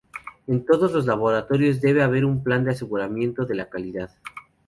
En todos los laboratorios debe haber un plan de aseguramiento de la calidad.